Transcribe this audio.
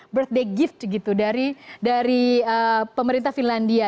birthday gift gitu dari pemerintah finlandia